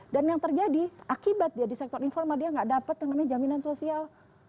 dan yang terjadi akibat dia di sektor informal dia gak dapat yang namanya jaminan sosial